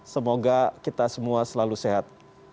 semoga kita semua selalu sehat